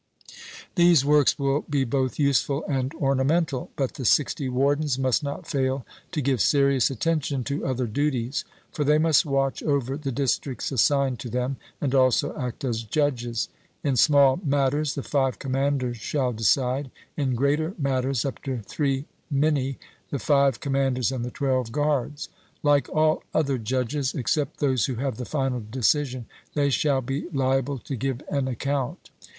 These works will be both useful and ornamental; but the sixty wardens must not fail to give serious attention to other duties. For they must watch over the districts assigned to them, and also act as judges. In small matters the five commanders shall decide: in greater matters up to three minae, the five commanders and the twelve guards. Like all other judges, except those who have the final decision, they shall be liable to give an account.